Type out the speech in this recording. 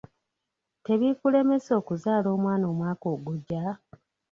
Tebiikulemese okuzaala omwana omwaka ogujja?